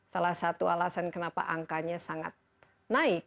salah satu alasan kenapa angkanya sangat naik